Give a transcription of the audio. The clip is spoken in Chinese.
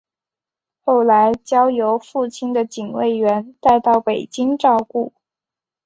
后来交由父亲的警卫员带到北京照顾。